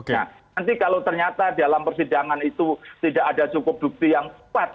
nah nanti kalau ternyata dalam persidangan itu tidak ada cukup bukti yang kuat